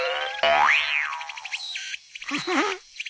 アハハッ！